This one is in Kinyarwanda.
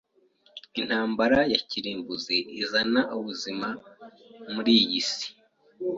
Intambara ya kirimbuzi izazana ubuzima kuri iyi si.